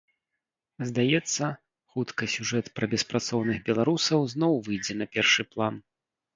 Здаецца, хутка сюжэт пра беспрацоўных беларусаў зноў выйдзе на першы план.